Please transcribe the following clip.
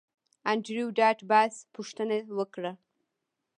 انډریو ډاټ باس پوښتنه وکړه